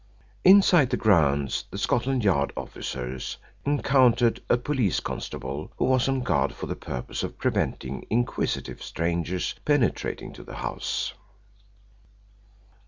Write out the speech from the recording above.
Inside the grounds the Scotland Yard officers encountered a police constable who was on guard for the purpose of preventing inquisitive strangers penetrating to the house.